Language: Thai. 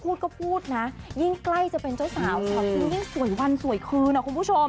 พูดก็พูดนะยิ่งใกล้จะเป็นเจ้าสาวช็อตจริงยิ่งสวยวันสวยคืนอ่ะคุณผู้ชม